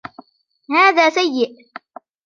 هذا سيئ.